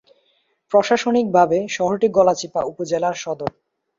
প্রশাসনিকভাবে শহরটি গলাচিপা উপজেলার সদর।